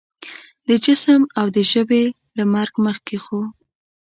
د جسم او د ژبې له مرګ مخکې خو